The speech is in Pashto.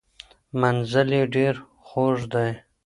منزل یې ډیر خوږ دی.